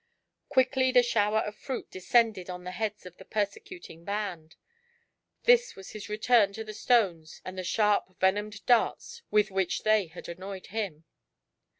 Quickly the shower of ftnit descended on the heads of the per secuting band ; this was his return to the stones and the sharp venomed darts with which they had annoyed him.